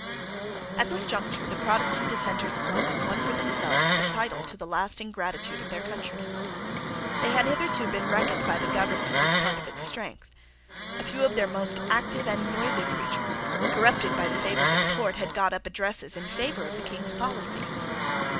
At this conjuncture the Protestant Dissenters of London won for themselves a title to the lasting gratitude of their country. They had hitherto been reckoned by the government as part of its strength. A few of their most active and noisy preachers, corrupted by the favours of the court, had got up addresses in favour of the King's policy.